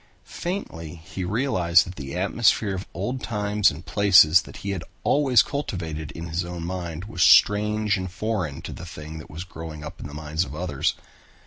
Faintly he realized that the atmosphere of old times and places that he had always cultivated in his own mind was strange and foreign to the thing that was growing up in the minds of others.